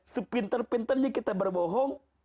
sepinter pinternya kita berbohong